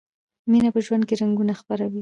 مینه په ژوند کې رنګونه خپروي.